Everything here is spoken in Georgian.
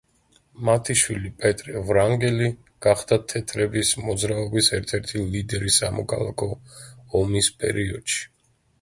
მათი შვილი პეტრე ვრანგელი გახდა თეთრების მოძრაობის ერთ-ერთი ლიდერი სამოქალაქო ომის პერიოდში.